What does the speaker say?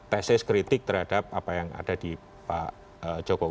tesis kritik terhadap apa yang ada di pak jokowi